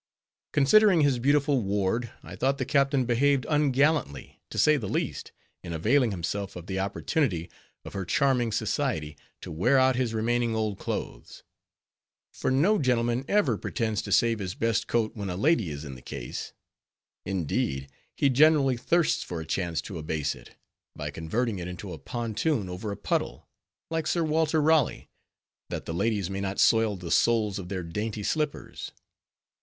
Considering his beautiful ward, I thought the captain behaved ungallantly, to say the least, in availing himself of the opportunity of her charming society, to wear out his remaining old clothes; for no gentleman ever pretends to save his best coat when a lady is in the case; indeed, he generally thirsts for a chance to abase it, by converting it into a pontoon over a puddle, like Sir Walter Raleigh, that the ladies may not soil the soles of their dainty slippers.